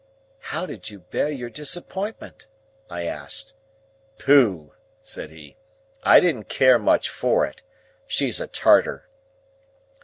"How did you bear your disappointment?" I asked. "Pooh!" said he, "I didn't care much for it. She's a Tartar."